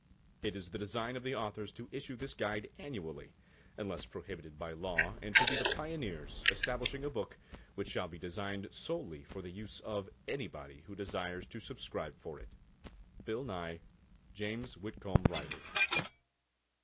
It is the design of the authors to issue this guide annually unless prohibited by law, and to be the pioneers establishing a book which shall be designed solely for the use of anybody who desires to subscribe for it. BILL NYE. JAMES WHITCOMB RILEY.